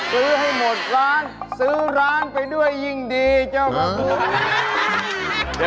ซื้อให้หมดร้านซื้อร้านไปด้วยยิ่งดีเจ้า